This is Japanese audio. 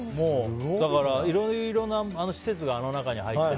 いろいろな施設があの中に入ってる。